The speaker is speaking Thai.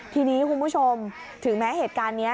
ทีนี้คุณผู้ชมถึงแม้เหตุการณ์นี้